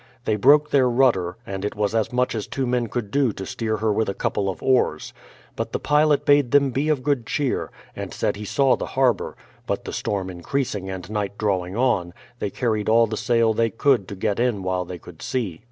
They broke their rudder, and it was as much as two men could do to steer her v/ith a couple of oars. But the pilot bade them be of good cheer, and said he saw the harbour ; but the storm increasing and night drawing on, they carried all the sail they could to get in while they could see.